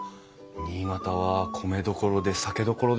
新潟は米どころで酒どころですもんね。